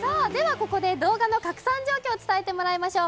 ここで動画のカクサン状況を伝えてもらいましょう。